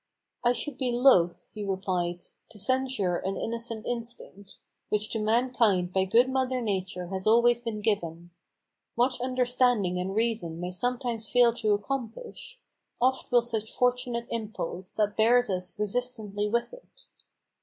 "I should be loath," he replied, "to censure an innocent instinct, Which to mankind by good mother Nature has always been given. What understanding and reason may sometimes fail to accomplish, Oft will such fortunate impulse, that bears us resistlessly with it.